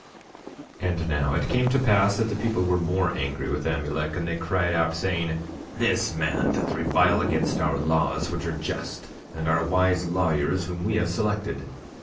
10:24 And now it came to pass that the people were more angry with Amulek, and they cried out, saying: This man doth revile against our laws which are just, and our wise lawyers whom we have selected.